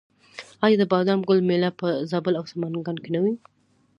آیا د بادام ګل میله په زابل او سمنګان کې نه وي؟